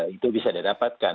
itu bisa didapatkan